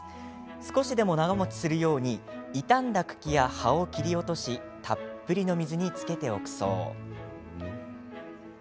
少しでも長もちするように傷んだ茎や葉を切り落としたっぷりの水につけておくそう。